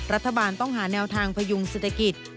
รัฐบาลต้องหาแนวทางพยุงเศรษฐกิจ